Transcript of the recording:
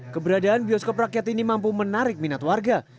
keberadaan bioskop rakyat ini mampu menarik minat warga